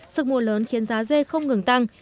sức mua lớn khiến giá dê không ngừng tăng